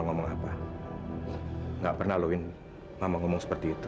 aku mau pulang jangan pegang